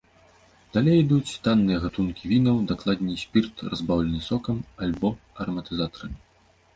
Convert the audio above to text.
Далей ідуць танныя гатункі вінаў, дакладней, спірт, разбаўлены сокам альбо араматызатарамі.